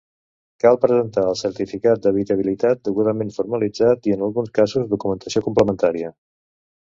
Cal presentar el certificat d'habitabilitat degudament formalitzat i, en alguns casos, documentació complementària.